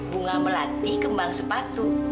bunga melati kembang sepatu